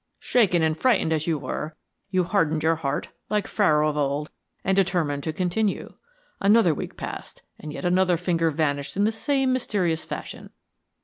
Shaken and frightened as you were, you hardened your heart, like Pharaoh of old, and determined to continue. Another week passed, and yet another finger vanished in the same mysterious fashion.